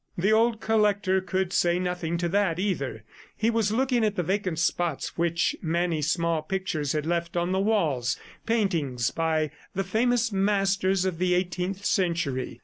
The old collector could say nothing to that, either. He was looking at the vacant spots which many small pictures had left on the walls, paintings by famous masters of the XVIII century.